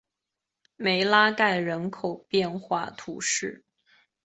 梅拉盖人口变化图示